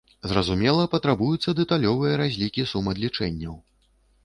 Зразумела, патрабуюцца дэталёвыя разлікі сум адлічэнняў.